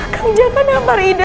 kami jatah nampar ide